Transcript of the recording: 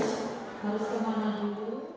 harus kemana dulu